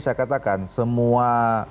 saya katakan semua